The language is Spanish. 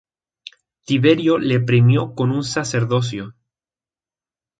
Tiberio le premió con un sacerdocio.